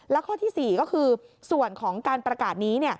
และข้อที่๔ก็คือส่วนของการประกาศนี้